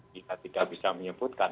kita tidak bisa menyebutkan